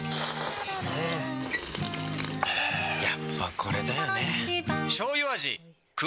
やっぱ、これだよね。